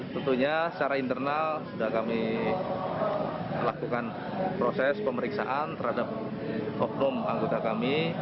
tentunya secara internal sudah kami lakukan proses pemeriksaan terhadap oknum anggota kami